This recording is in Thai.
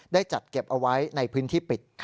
ได้จัดเก็บเอาไว้ในพื้นที่ปิด